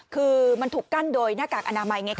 คือมันถูกกั้นโดยหน้ากากอนามัยไงค